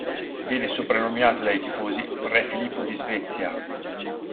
Viene soprannominato dai tifosi "Re Filippo di Svezia".